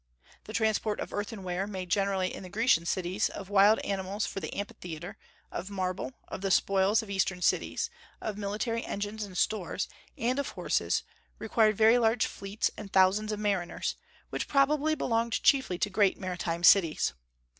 The transport of earthenware, made generally in the Grecian cities, of wild animals for the amphitheatre, of marble, of the spoils of eastern cities, of military engines and stores, and of horses, required very large fleets and thousands of mariners, which probably belonged chiefly to great maritime cities.